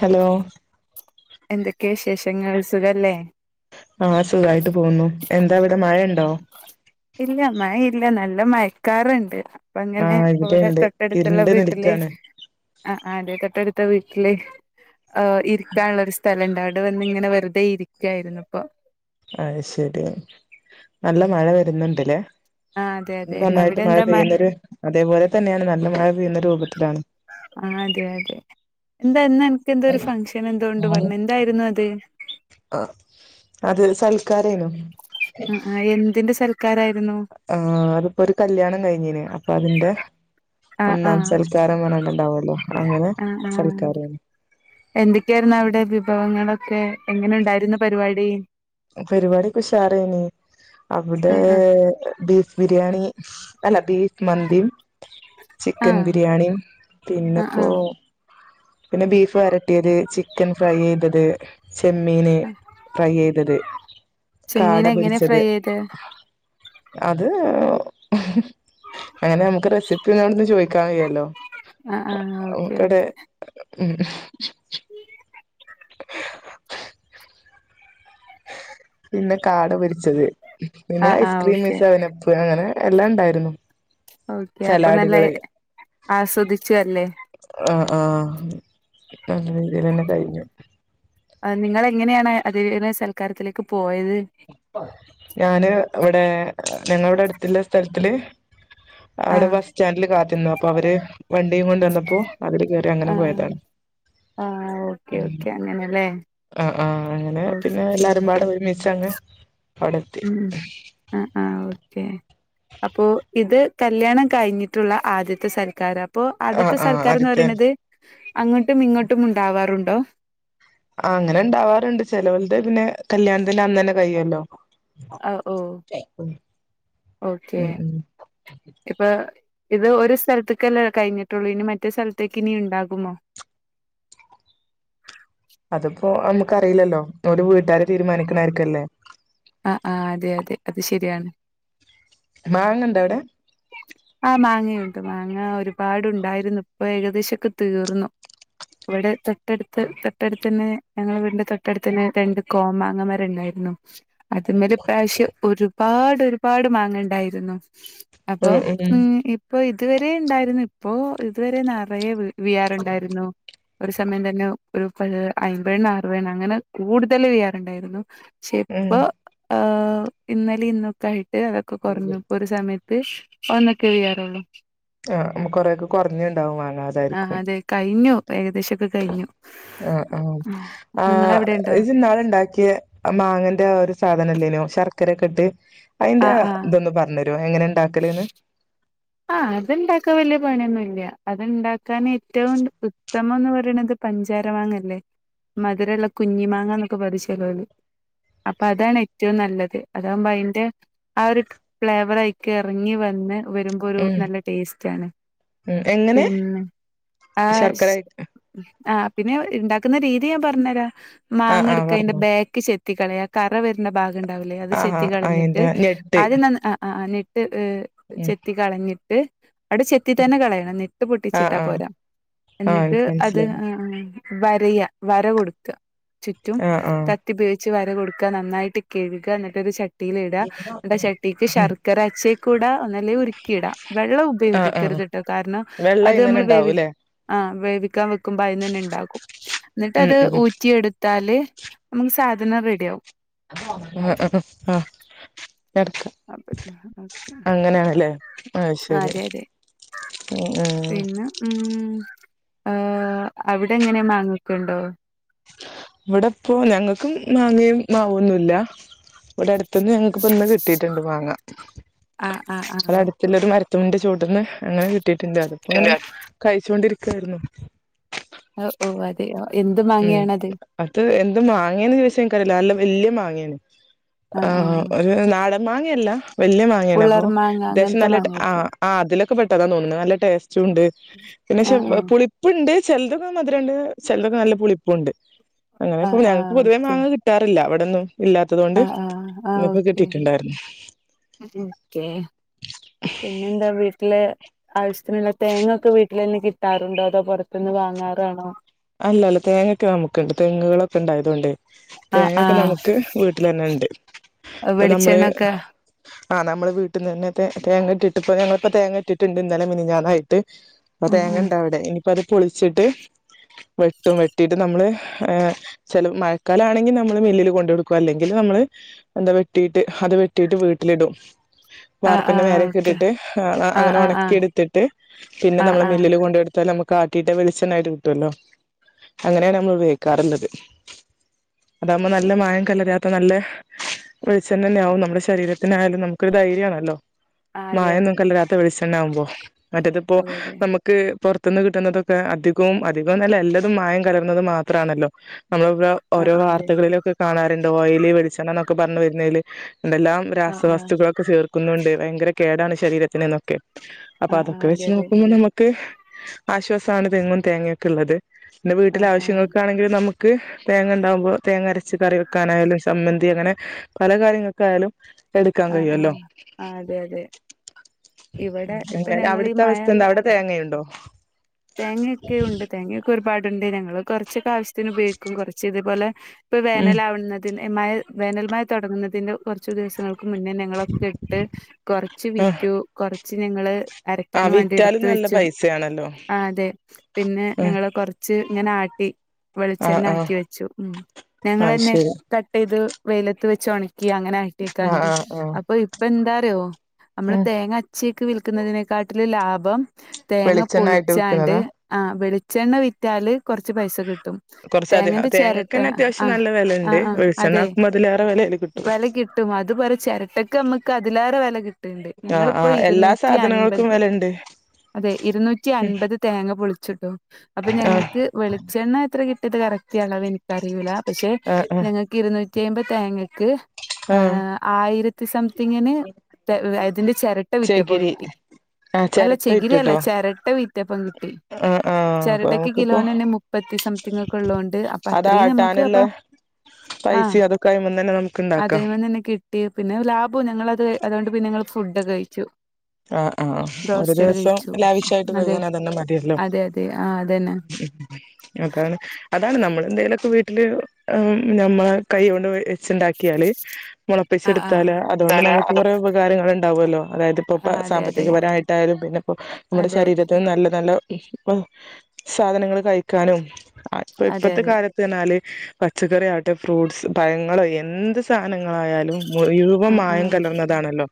Hello എന്തൊക്കെ വിശേഷങ്ങൾ സുഖല്ലേ ആഹ് സുഖായിട്ട് പോവുന്നു എന്താ അവിടെ മഴണ്ടോ? ഇല്ല മഴ ഇല്ല നല്ല മയക്കാറ്ണ്ട്. പ്പ ആ ങ്ങനെ ഇവിടെ ഇവിടെണ്ട് തൊട്ടടുത്തുള്ള ഇരുണ്ട് വീട്ടില് നിൽക്കാണ് ആഹ് ആഹ് അതേ തൊട്ടടുത്ത വീട്ടില് ഓ ഇരിക്കാനുള്ള ഒരു സ്ഥലണ്ട് അവ ഇവിടെ വന്ന്ങ്ങനെ വെറുതെ ഇരിക്കായിരുന്നുപ്പൊ അഹ് ശരി നല്ല മഴവരുന്നുണ്ട്ല്ലേ ആ അതെ ഇന്ന് അതെ നന്നായിട്ട് അവിടെ മഴ എന്താ മ പെയ്യുന്ന ഒരു അതേപോലെ തന്നെയാണ് നല്ല മഴ പെയ്യുന്ന രൂപത്തിലാണ് ആഹ് അതെ അതെ ഇന്ന് ഇന്ന അൻക്എന്തോ ഒരു ഫംഗ്ഷൻഎന്തോണ്ട്പറഞ്ഞ് എന്തായിരുന്നു അത് ഓഹ് അത് സൽക്കാരേന്നു ഉം ആഹ് എന്തിൻ്റെ സൽക്കാരായിരുന്നു ആഹ് അത് ഇപ്പോ ഒര് കല്ല്യാണം കയിഞ്ഞേന് അപ്പൊ അതിന്റെ ആ ആ ഒന്നാം സൽക്കാരം പറഞ്ഞു ഉ ണ്ടാവല്ലോ അങ്ങനെ സൽക്കാരാണ് എന്തൊക്കെയ്യാര്ന്ന് അവിടെ വിഭവങ്ങളൊക്കെ എങ്ങനെ ഉ ണ്ടായിരുന്നു പരിപാടി പരിപാടിക്കേ ഉഷാറായിന്ന് അവിടെ ആ ആ ബീഫ് ബിരിയാണി അല്ലാ ബീഫ് മന്തിയും ആ ചിക്കൻ ബിരിയാണിയും പിന്നെ ആ ആ ഇപ്പോ പിന്നെ ബീഫ് വരട്ടിയത് ചിക്കൻ ഫ്രൈ ചെയ്താത് ചെമ്മീന് ഫ്രൈ ചെയ്താത് കാട ചെമ്മീൻ എങ്ങനെ പൊരിച്ചത് ഫ്രൈ ചെയ്ത് അത് അങ്ങനെ ഞമ്മക്ക് റെസിപ്പി [unintelligible] ചോയിക്ക്യൻ ഇല്ലാ അല്ലേ ആഹ് ആഹ് ഓക്കെ ഓക്കെ ഉം പിന്നെ കാട് പൊരിച്ചത് പിന്നെ ആഹ് ആഹ് ഐസ്ക്രീം ഓക്കെ മിസ്വവനപ്പ് അങ്ങനെ എല്ലാം ഒണ്ടായിര്ന്നു [unintelligible] ഒക്കെ അപ്പാ നല്ല ആസ്വദിച്ചു അല്ലേ ആഹ് ആഹ് നല്ല രീതില് തന്നെ കയിഞ്ഞു ആഹ് നിങ്ങള് എങ്ങനെയാണ് അത് സൽക്കാരത്തിലേക്ക് പോയത് ഞാന് ഇവടെ ഞങ്ങ ളെ ഇവി ടെ അടുത്തുള്ള സ്ഥലത്തില് അവി ടെ ആഹ് ബെസ് സ്റ്റാൻഡില് കാത്തിന്നു അപ്പൊ അവര് വണ്ടിയും കൊണ്ട് വന്നപ്പോ അവര് കേയറി അങ്ങനെ ആഹ് പോയതാണ് ഉം അങ്ങനെ ആഹ് ആഹ് അങ്ങനെ പിന്നെ എല്ലാരും പാടെ ഒര്മിച്ച് അങ്ങ് അവടെ എത്തി ഉം ആഹ് ആഹ് ഓക്കെ അപ്പോ ഇത് കല്യാണം കയിഞ്ഞിട്ടു ള്ള ആദ്യത്തെ സൽക്കാരം അപ്പോ ആഹ് ആദ്യത്തെ ആഹ് സർക്കാരം എന്ന് അടുത്തെ പറയണാത് അങ്ങോട്ടും ഇങ്ങോട്ടും ഉണ്ടാവാറുൻണ്ടോ ആഹാ അങ്ങനെ ഇണ്ടാവാറോണ്ട് ചെലൽതു പിന്നെ കല്യാണത്തിന് അന്ന് തന്നെ കയിഴിയും മല്ലോ ആഹ് ഓ ഓക്കെ ഉം ഉം ഇപ്പൊ ഇത് ഒര് സ്ഥലത്തേക്ക് അല്ലേ കയിഞ്ഞിട്ടോള്ളൂ ഇനി മറ്റേ സ്ഥലത്തേക്ക് ഇനി ഇണ്ടാകുമോ അത് ഇപ്പോ ഞമ്മക്ക് അറിയില്ലല്ലോ ഒര് വീട്ടാരാര് തീരുമാനിക്കണാമാരി അല്ലേ ആഹ് ആഹ് അതെ അതെ അത് ശ രിയാണ് മാങ്ങ ഉണ്ടേ അവിടെ ആഹ് മാങ്ങ ഉണ്ട് മാങ്ങ ഒരുപാട് ഉണ്ടായിരുന്നു ഇപ്പൊ ഏകദേശം ഒക്കെ തീർന്നു ഇവടെ തൊട്ടാട്ത്ത് തൊട്ടാട്ത്ത് ഞങ്ങളേ വീടിന്റെ തൊട്ടട്ത്തതന്നെ രണ്ട് കോമാങ്ങമാര ഉണ്ടായിരുന്നു അത് മേലെ ഈ പ്രാവശ്യം ഒരുപാട് ഒരുപാട് മാങ്ങ ഇണ്ടായിരുന്നു ഉം അപ്പാം ഉം ഇപ്പൊ ഇത് വേരെഉണ്ടായിരുന്നു ഇപ്പൊ ഇത് വേരെ നെറയെ വിയാറ് ഉണ്ടായിരുന്നു ഒര് സമയം തന്നെ ഒര് അയമ്പണം ആറ്വണ്ണം അങ്ങനെ കൂടുതല് വിയാറ് ഉണ്ടായിരുന്നു പക്ഷേ ഉം ഇപ്പോ ഇന്നലെ ഇന്നൊക്കെ ആയിട്ട് അതൊക്കെ ഊര് കൊറഞ്ഞു ഒര് സമയ [unintelligible] ആഹ് ഞമ്മക്ക് കൊറെ കൊറഞ്ഞ് ഇണ്ടാവും മങ്ങാ ആഹ് അതെ കയിഞ്ഞു ഏകദേശൊക്കെ കയിഞ്ഞു ആഹ് ആഹ് ആഹ് ഉണ്ടോ ഇജ്ജ് നാള് ണ്ടാക്കിയ അ മാങ്ങന്റെ ഒര് സാധനം ഇല്ലേനു ശർക്കരയൊക്കെ ഇട്ട് അയിന്റെ ആഹ് ആഹ് ഇതൊന്ന് പറഞ്ഞ് ട്ടു എങ്ങനെ ഇണ്ടാക്കല്ന്ന് ആഹ് അത് ഇണ്ടാക്കാൻ വല്ല്യായ പണിയൊന്നും ഇല്ല അത് ണ്ടാക്കാൻ ഏറ്റോം ത്തമം ന്ന് പറയണത് പഞ്ചാര മാങ്ങയില്ലേ മധുരള്ള കുഞ്ഞി മാങ്ങന്നൊക്കെ പറിം ചെലോല് അപ്പൊ അതാണ് ഏറ്റോം നല്ലത് അതാമ്പോ അയിന്റെ ആഹ് ഒര് ഫ്ലേവർ ആയിക്ക്യാ എറങ്ങി വേന്ന് വെരു പരു ഉം നല്ല ടേസ്റ്റ് ആണ് ഉം എങ്ങനെ പിന്നെ ആഹ് ശർക്കര ശ് ആഹ് പിന്നെ ഇണ്ടാക്ക്ന്നാ രീതി ഞാൻ പറഞ്ഞ് തൊരാം ആഹ് മാങ്ങ ആഹ് എട്ക്ക്യാ അയിന്റെ പറഞ്ഞോ ബാക്ക് ചെത്തി കളയാ കറ വേരേണ ഭാഗം ഇണ്ടാവൂല്ല അത് ആഹ് ചെത്തി ആഹ് കളഞ്ഞിട്ട് അയിന്റെ ഞെട്ട് ആദ്യം ന ആഹ് ആഹ് നെട്ട് ഏഹ് ഉം ചെത്തി കളഞ്ഞിട്ട് അടെ ചെത്തി ഉം തന്നെ കളയണം ഞെട്ടി ആഹ് പൊട്ടിച്ചിട്ടാ ആഹ് പോരാ ആഹ് എന്നിട്ട് ഇൻക്ക് അത് മനസ്സിലായി ആഹ് വരയ വര കൊടുക്ക ചുറ്റും ആഹ് ആഹ് ക ത്തി ഉപയോഗിച്ച് വര കൊടുക്ക നന്നായിട്ട് കഴുക എന്നിട്ട് ഒരു ചട്ടിൽ ഇട എന്നിട്ട് ചട്ടിക്ക്‌ ഉം ശർ ക്കര അച്ചയ്ക്കൂട ഒന്നല്ലേ ഉരുക്കി ഇടാ വെള്ളം ആഹ് ആഹ് ഉപയോഗിക്കരുത്ട്ടോ കാരണം വെള്ള അത് അയിന്നന്നെ നമ്മൾ വേവി ഇണ്ടാവൂല്ലേ ആഹ് വേവിക്കാൻ വെക്കുമ്പോ അയ്ന്നന്നെ ണ്ടാക്കും എന്നിട്ട് ഉം അത് ഉം ഊ റ്റി എടുത്താല് നമുക്ക് സാധനം റെഡിയാഉ [unintelligible] എട്ക്ക് അതെ [unintelligible] അങ്ങനെയാണല്ലേ ആഹ് ശരി അതെ ആഹ് പിന്നെ ഉം ആഹ് അവിടെങ്ങനെ മാങ്ങക്കുണ്ടോ? ഇവിടെപ്പോ ഞങ്ങൾക്കും മാങ്ങയും മാവൊന്നുല്ല ഇവിടെ അടുത്തുന്ന് ഞങ്ങക്കിപ്പ ഇന്ന് കിട്ടിയിട്ടുണ്ട് മാങ്ങ ആ ആ ആ ഇവടട് ഓക്കെ ട്ടിലൊരു മരത് ന്റെ ചൂട്ടന്ന് അങ്ങനെ കിട്ടിയിട്ടുണ്ട് അത്പ്പോ ങ്ങനെ കഴിച്ചോണ്ടിരിക്കായിരുന്നു ഓഹ് ഓഹ് അതെയൊ എന്ത് ഉം മാങ്ങയാണത് അത് എന്ത് മാങ്ങയാന്ന് ചോയ്ച്ച ഇൻക്കറിയില്ല വല്യ മാങ്ങയാണ് ആഹ് ഒരു നാടൻ മാങ്ങയല്ല വല്യ മാങ്ങയാണ് അപ്പൊ ഉള്ളർ മാങ്ങ അത്യാവശ്യം അങ്ങനത്തെ നല്ല മാങ്ങായിരിക്കും ആഹ് ആഹ് അതിലൊക്കെ പെട്ടതാ തോന്നുന്നു നല്ല ടെസ്റ്റ്‌ ഉണ്ട് പിന്നെ ശെ ആഹ് പുളി പ്പ്ണ്ട് ചിലതൊക്കെ മധുരംണ്ട് ചിലതൊക്കെ നല്ല പുളിപ്പുണ്ട് അങ്ങനെ ഇപ്പോ ആഹ് ആഹ് ആഹ് ഞങ്ങക്ക് പൊതുവേ ഓക്കെ മാങ്ങ കി- - ട്ടാറില്ല ഇവിടന്നും ഇല്ലാത്തത് കൊണ്ട് ആഹ് ഇന്നിപ്പോ കിട്ടിയിട്ടുണ്ടായിരുന്നു ക്കെ പിന്നെ എന്താ വീട്ടില് ആവശ്യത്തിനുള്ള തേങ്ങൊക്കെ വീട്ടിൽ നിന്ന് കിട്ടാറുണ്ടോ അതോ പുറത്തുന്ന് വാങ്ങാറാണോ? അല്ലല്ല തേങ്ങൊക്കെ നമുക്കുണ്ട് തെങ്ങുകളൊക്കെ ഉണ്ടായതൊണ്ട് ആഹ് തേങ്ങക്കെ ആഹ് നമുക്ക് വീട്ടിലെന്നെ ഉണ്ട് ഇപ്പൊ നമ്മള് വെളിച്ചെണ്ണൊക്കെ ആഹ് നമ്മൾ വീട്ട് ന്നന്നെ തേ തേങ്ങ ഇട്ടിട്ട്പ്പോ ഞങ്ങളിപ്പോ തേങ്ങ ഇട്ടിട്ടുണ്ട് ഇന്നലെ മിനിഞ്ഞാന്നായിട്ട് പ്പ ഉം ഉം തേങ്ങണ്ടാവിടെ ഇനിയിപ്പ അത് പൊളിച്ചിട്ട് വെട്ടും വെട്ടിട്ട് നമ്മള് ഏഹ് ചില മഴക്കാലം ആണെങ്കിൽ നമ്മള് മില്ലില് കൊണ്ട് കൊടുക്കു അല്ലെങ്കിൽ നമ്മള് എന്താ വെട്ടിട്ട് അത് വെട്ടിയിട്ട് വീട്ടിലിടും ആഹ് വാർപ്പിന്റെ ആഹ് ഓക്കെ മേലേക്കട്ടിട്ട് ആഹ് അങ്ങനെ ആഹ് ആഹ് ഉണക്കി എടുത്തിട്ട് പിന്നെ ആഹ് നമ്മള് ആഹ് മില്ലില് കൊണ്ടയ്ടുത്താൽ നമ കാട്ടിട്ട് വെളിച്ചെണ്ണ ആയിട്ട് കിട്ടുവല്ലോ അങ്ങനെയാണ് നമ്മൾ ഉപയോഗിക്കാറുള്ളത്. അതാകുമ്പോ നല്ല മായം കലരാത്ത നല്ല വെളിച്ചെണ്ണന്നെ ആവും നമ്മുടെ ശരീരത്തിന് ആയാലും നമുക്കൊരു ധൈര്യണല്ലോ ആഹ് അതെ അതെ മായന്നും കലരാത്ത വെളിച്ചെണ്ണ ആവുമ്പോ മറ്റേത്പ്പോ അതെ അതെ നമുക്ക് പൊർതിന്ന് കിട്ടുന്നതൊക്കെ അധികവും അധികവും നല്ല എല്ലാതും മായം കലർന്നത് മാത്രണല്ലോ നമ്മള ഇപോ- ആഹ് ഓരോ അതെ വാർത്തകളിലൊക്കെ കാണാറുണ്ട് ഓയല് വെളിച്ചണ്ണ എന്നൊക്കെ പറഞ്ഞു വരുന്നെല് എന്തെല്ലാം ആഹ് ആഹ് രാസവസ്തുക്കളൊക്കെ ചേർക്കുന്നുണ്ട് ഭയങ്കര കേടാണ് ശരീരത്തിന് ന്നോക്കെ അപ്പൊ ആഹ് അതൊക്കെ ആഹ് വെച്ച് അതെ അതെ നോക്കുമ്പോ നമുക്ക് ആശ്വാസണ് തെങ്ങും തേങ്ങൊക്കെ ള്ളത് ഇനി വീട്ടില് ആഹ് ആഹ് ആശ്യങ്ങൾക്കാണെങ്കിലും നമു ക്ക് തേങ്ങ ഉണ്ടാകുമ്പോ തേങ്ങ അരച്ച് കറി വെക്കാനായാലും സമ്മന്തി അങ്ങനെ പല കാര്യങ്ങൾക്കായാലും എടുക്കാൻ ആഹ് കഴിയുമല്ലോ ആഹ് അഹ് അതെ അതെ ഇവിടെ ഇപ്പൊ അങ്ങനെ ഞങ്ങളീ അവിടുത്തെ മഴ അവസ്ഥ എന്താ അവിടെ തേങ്ങയുണ്ടോ? തേങ്ങൊക്കെ ഉണ്ട് തേങ്ങൊക്കെ ഒരുപാടുണ്ട് ഞങ്ങള് കൊറച്ചൊക്കെ ആവശ്യത്തിന് ഉപയോഗിക്കും കുറച്ച് ഇതുപോലെ ഇപ്പൾ ഉം വേനലാവുന്നതിന് മ വേനലൽ മ തുടങ്ങുന്നതിന്റെ കുറച്ച് ദിവസങ്ങൾക്ക് മുന്നേ ങ്ങളൊക്കെ ഇട്ട് കൊറച്ച് ആ വിറ്റു കൊറച്ച് ഞങ്ങള് ആ അരക്കാൻ വേണ്ടി വിറ്റാലും എടുത്ത് നല്ല വെച്ചു പൈസയാണല്ലോ ആഹ് അതെ പിന്നെ ഉം ഞങ്ങള് കൊറച്ച് ച്ച് ഇങ്ങനെ ആട്ടി ആ വെളിച്ചെണ്ണ ആ ആക്കി വെച്ചു ഉ അത് ഞങ്ങളേന്നെ ശരി കട്ടെയ്ത് വെയിലത്ത് വെച്ച് ഒണക്കി അങ്ങനെ ആട്ടിയക്കണ് അഹ് അഹ് അപ്പ ഇപ്പ എന്താറിയോ അമ്മള് തേങ്ങ അചേക്ക് വിക്കുന്നതിനേക്കാട്ടിലും ലാഭം തേങ്ങ വെളിച്ചെണ്ണ ആയിട്ട് പൊളിച്ചാണ്ട് വിൽക്കുന്നതാ ആഹ് വെളിച്ചെണ്ണ വിറ്റാല് കൊറച്ച് പൈസ കിട്ടും കുറച്ചധിക തേങ്ങന്റെ ചെരട്ട തേങ്ങക്കന്നെ അത്യാവശ്യം അഹ് നല്ല വിലയുണ്ട് അഹ് ആഹ് അതെ വെളിച്ചെണ്ണാക്കുമ്പോ അതിലേറെ വിലയില് കിട്ടും വെല കിട്ടും അത് വരെ ചെ രട്ടക്ക് അമ്മക്ക് അതിലേറെ വെല കിട്ടണ്ട് ആ ആ ഞങ്ങളിപ്പോ എല്ലാ ഇരുന്നൂറ്റി അൻപത് സാധനങ്ങൾക്കും വിലയുണ്ട് അതെ ഇരുന്നൂറ്റി ഉം അൻപത് തേങ്ങ പൊളിച്ചുട്ടോ അപ്പൊ ആ ഞങ്ങക്ക് വെളിച്ചെണ്ണ എത്ര കിട്ടിയത് കറക്റ്റി അളവെനി ക്കറിയൂല പക്ഷെ ആ ആ ഞങ്ങക്ക് ഇരുന്നൂറ്റി എമ്പ തേങ്ങക്ക് ആ ഏഹ് ആയിര ത്തി സംതിങ്ങിന് തെ വെ ഇതിന്റെ ചെരട്ട വിറ്റപ്പോ ചകിരി കിട്ടി ആ അല്ല ചിരട്ട ചെകിരിയല്ല ചെരട്ട വിറ്റപ്പ കിട്ടി ആഹ് ആഹ് ആഹ് അപ്പൊ ചിരട്ടക്ക് നമുക്കിപ്പോ കിലോനന്നെ മുപ്പത്തി സംതിങ് ഒക്കെ ഉള്ളോണ്ട് അപ്പൊ അത്രയും നമുക്ക് അപ്പൊ അതാട്ടാനുള്ളെ ആഹ് പൈസയും അതൊക്കെ അയുമ്മേന്നന്നെ നമുക്കുണ്ടാക്കാം ട്ടി പിന്നെ ലാഭോ ഞങ്ങളത് അതുകൊണ്ട് പിന്നെ ഞങ്ങള് ഫുഡ് ഒക്കെ കഴിച്ചു ആഹ് ആഹ് ഒരു ബ്രോസ്റ്റഡ് ദിവസം കഴിച്ചു ലാവിശായിട്ട് അതെ കഴിയാൻ അതന്നെ മതിയല്ലോ അതെ അതെ ആഹ് അതന്നെ അതാണ് അതാണ് നമ്മള് എന്തേലു ഒക്കെ വീട്ടില് നമ്മളെ കൈഓണ്ട് വെച്ചുണ്ടാക്കിയാല് ആഹ് ആഹ് മുളപ്പിച്ചെടുത്താല് അതുകൊണ്ട് നമുക്ക് കുറെ ഉപകാരങ്ങൾ ഉണ്ടാവുവല്ലോ അതായത് ഇപ്പ ആഹ് അതെ അതെ സാമ്പത്തികപരായിട്ടായാലും പിന്നിപ്പോ നമ്മുടെ അതെ ശരീരത്തിന് നല്ല നല്ല ഇപ്പൊ സാധനങ്ങള് കഴിക്കാനും ഇപ്പ അതെ ഇപ്പഴത്തെ അതെ കാല തിനാല് പച്ചക്കറി ആവട്ടെ ഫ്രൂട്ട്സ് പഴങ്ങളോ എന്ത് സാനങ്ങളായാലും മുഴുവം ആഹ് മായം ആഹ് കലർന്നതാണല്ലോ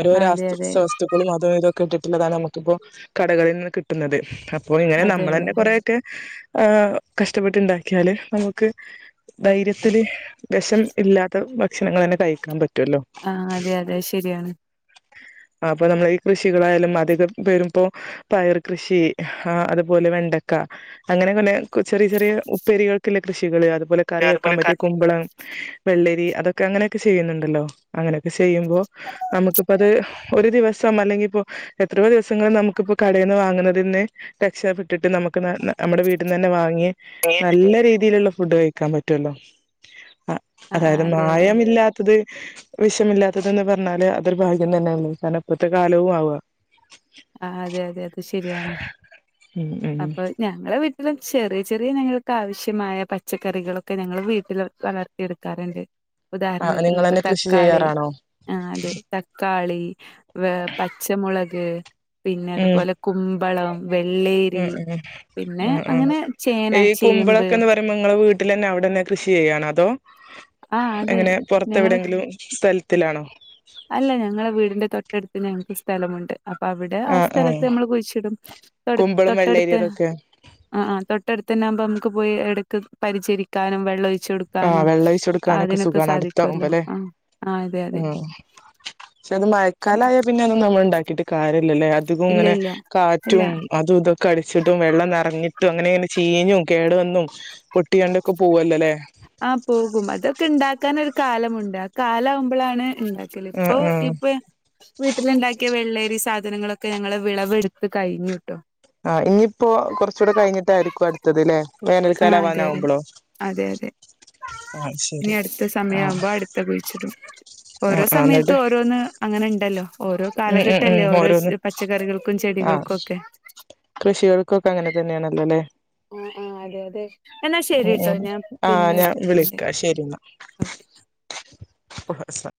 ഒരോരോ ആഹ് അതെ അസ്ത് അതെ സൊസ് ക്കണു അതും ഇതൊക്കെ ഇട്ടിട്ടുള്ളതാണ് നമുക്കിപ്പോ കടകളിൽ നിന്ന് കിട്ടുന്നത് അപ്പോ ഇങ്ങനെ അതെ നമ്മൾ അതെ തന്നെ കൊറേ ഒക്കെ ആഹ് കഷ്ടപ്പെട്ടുണ്ടാക്കിയാല് നമുക്ക് ധൈര്യത്തില് വെഷം ഇല്ലാത്ത ഭക്ഷണങ്ങളെന്നെ കഴിക്കാൻ പറ്റുല്ലോ ആഹ് അതെ അതെ ശരിയാണ് അപ്പൊ നമ്മള് ഈ കൃഷികളായാലും അധികം പേരും ഇപ്പോ പയർ കൃഷി ആഹ് അതുപോലെ വെണ്ടക്ക അങ്ങനെ കൊനെ ചെറിയ ചെറിയ ഉപ്പേരികൾക്കുള്ള കൃഷികള് അതുപോലെ കറി വെക്കാൻ അതുപോലെ പറ്റിയ കുമ്പളം വെള്ളരി അതൊക്കെ അങ്ങനെയൊക്കെ ചെയ്യുന്നുണ്ടല്ലോ അങ്ങനെയൊക്കെ ചെയ്യുമ്പോ നമു ഇപ്പ അത് ഒരു ദിവസം അല്ലെങ്കി എത്രയോ ദിവസങ്ങൾ നമുക്കിപ്പോ കടേന്ന് വാങ്ങുന്നതിന്നെ രക്ഷപ്പെട്ടിട്ട് നമുക്ക് നമ്മടെ വീട്ടിന്ന് തന്നെ വാങ്ങിയെ ആഹ് നല്ല രീതിയിലുള്ള ഫുഡ് കഴിക്കാൻ പറ്റുവല്ലോ ആഹ് അതായത് അതെ അതെ മായമില്ലാ അത് വിഷമില്ലാത്തതെന്ന് പറഞ്ഞാല് അതോരു ഭാഗ്യം തന്നെയാണ്. കാരണം ഇപ്പഴത്തെ കാലവും ആവും ആഹ് അതെ അതെ അത് ശരിയാണ്. ഉം ഉം ഞങ്ങളെ വീട്ടിലും ചെറിയ ചെറിയ ഞങ്ങൾക്ക് ആവശ്യമായ പച്ചക്കറികളൊക്കെ ഞങ്ങൾ വീട്ടില് വളർ എടുക്കാറുണ്ട് ആഹ് ഉദാഹരണത്തിന് ഇപ്പ നിങ്ങളന്നെ കൃഷി തക്കാളി ചെയ്യാറാണോ ആഹ് അതെ തക്കാളി പച്ചമുളക് പിന്നെ ഉം അതുപോലെ കുമ്പളം വെള്ളേരി ഉം ഉം പിന്നെ അങ്ങനെ ചേന ചേമ്പ് നിങ്ങള വീട്ടിലന്നെ അവിടന്നെ കൃഷി ചെയ്യാണോ? അതോ ആ അതെ എങ്ങനെ ഞങ്ങള് പൊറത്തെവിടെയെങ്കിലും സ്ഥലത്തിലാണോ? അല്ല ഞങ്ങളെ വീടിന്റെ തൊട്ടടുത്ത് ഞങ്ങക്ക് സ്ഥലമുണ്ട്. അപ്പൊ അവിടെ ആ ആഹ് ആഹ് സ്ഥലത്ത് നമ്മള് കുഴിച്ചിടും. കുമ്പളും വെള്ളേരി തൊട്ടടുത്ത്. അതൊക്കെ ആഹ് -ആഹ് തൊട്ടടുത്തന്നെ ആവുമ്പോ നമുക്ക് പോയി എടക്ക് പരിചരിക്കാനും വെള്ള ഒഴിച്ച് കൊടു ആഹ് വെള്ളം ഒഴിച്ച് കൊടുക്കാനൊക്കെ അതിനൊക്കെ സുഖാണ് സാധിക്കുവല്ലോ അടുത്താവുമ്പല്ലേ ആഹ് അതെ ഉം പക്ഷെ അത് മഴക്കാലായ പിന്നെ ഒന്നും നമ്മൾ ഉണ്ടാക്കിയിട്ട് കാരിയല്ലല്ലോ അധികവും ഇല്ല ഇങ്ങനെ ഇല്ല ഇല്ല കാറ്റും അതും ഇതൊക്കെ അടിച്ചിട്ടും വെള്ളം നെറഞ്ഞിട്ടും അങ്ങനെ അങ്ങനെ ചീഞ്ഞും കേടു വന്നും പെട്ടിയാണ്ടൊക്കെ പോവല്ലല്ലേ ആ പോകും അതൊക്കെ ഉണ്ടാക്കാൻ ഒരു കാലമുണ്ട്. ആ കാല ആകുമ്പോഴാണ് ഉണ്ടാക്കല്ല ഉം ഉം ഇപ്പൊ വീട്ടിലുണ്ടാക്കിയ വെള്ളേരി സാധനങ്ങളൊക്കെ ഞങ്ങൾ വിളവെടുത്ത് കഴിഞ്ഞുട്ടോ ആ ഇനിയിപ്പോ കുറച്ചൂടെ കഴിഞ്ഞിട്ടായിരിക്കും അടുത്ത ആ വേനൽക്കാല ആവാൻ അതെ അതെ ആവുമ്പോളോ? അതെ അതെ ഇനി അടുത്ത സമയ ആവുമ്പോ അടുത്ത കുഴിച്ചിടും. ആ ഓരോ ആ എന്നിട്ട് സമയത്തും ഓരോന്ന് അങ്ങനെ ഉണ്ടല്ലോ ഓരോ ഉം ഉം കാലഘട്ട ഉം അല്ലേ ഓരോ ഓരോന്ന് പച്ചക്കറികൾക്കും ആ ചെടികൾക്കും ഒക്കെ. കൃഷികൾക്കൊക്കെ അങ്ങനെ തന്നെയാണല്ലോല്ലേ. ആഹ് ആഹ് അതെ അതെ എന്നാ ശരിട്ടോ ഞാൻ പിന്നെ ഞാൻ വിളിക്കണ്ട് വിളിക്ക ശരി എന്നാ ഓക്കെ ഹും